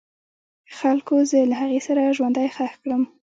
خلکو زه له هغې سره ژوندی خښ کړم.